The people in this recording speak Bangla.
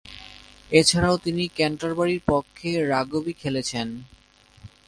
এছাড়াও তিনি ক্যান্টারবারির পক্ষে রাগবি খেলেছেন।